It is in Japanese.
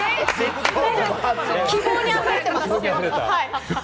希望にあふれてます。